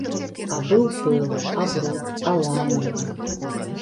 А быў пыл, а бруд, а лаянка!